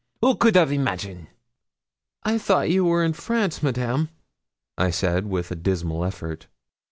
Who could have imagine?' 'I thought you were in France, Madame,' I said, with a dismal effort.